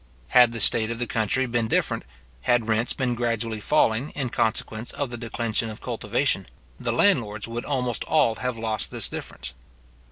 Had the state of the country been different, had rents been gradually falling in consequence of the declension of cultivation, the landlords would almost all have lost this difference.